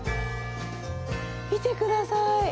見てください。